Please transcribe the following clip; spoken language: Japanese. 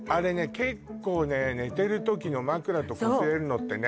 結構ね寝てる時の枕とこすれるのってね